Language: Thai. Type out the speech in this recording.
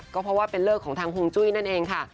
ก็เพราะว่าเป็นเลิกของทางฮวงจุ้ยนั่นเองค่ะ